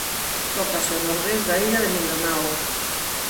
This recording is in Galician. Atópase ao nordés da illa de Mindanao.